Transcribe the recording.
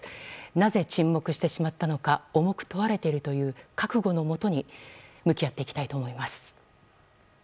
なぜ沈黙してしまったのか重く問われているということにその覚悟のもとに向き合っていきたいと思います。